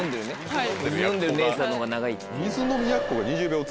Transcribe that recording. はい。